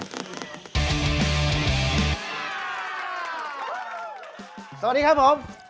สวัสดีครับผม